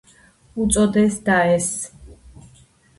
უწოდეს და ეს